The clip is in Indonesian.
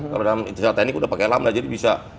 kalau dalam teknik udah pakai lambda jadi bisa